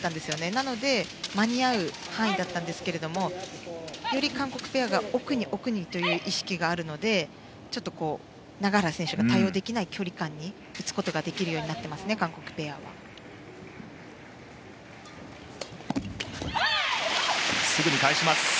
なので間に合う範囲だったんですがより韓国ペアが奥に奥にという意識があるのでちょっと永原選手が対応できない距離感に打つことができるように韓国ペアはなっていますね。